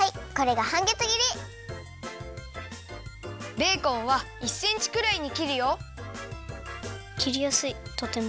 ベーコンは１センチくらいにきるよきりやすいとても。